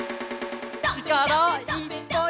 ちからいっぱい！